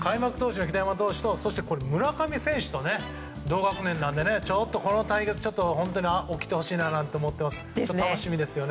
その北山投手とそして村上選手と同学年なのでこの対決は起きてほしいなと思っています。